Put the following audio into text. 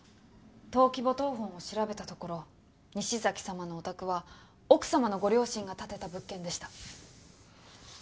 登記簿謄本を調べたところ西崎様のお宅は奥様のご両親が建てた物件でした。